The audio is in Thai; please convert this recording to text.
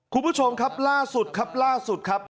คุณผู้ชมครับล่าสุดครับ